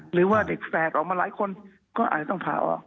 หรือว่าเด็กแฝดออกมาหลายคนก็อาจจะต้องพาออก